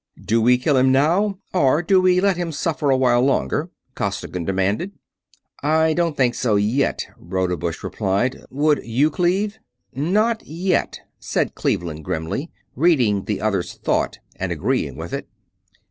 "Do we kill him now or do we let him suffer a while longer?" Costigan demanded. "I don't think so, yet," Rodebush replied. "Would you, Cleve?" "Not yet," said Cleveland, grimly, reading the other's thought and agreeing with it.